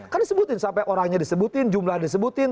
kan disebutin sampai orangnya disebutin jumlah disebutin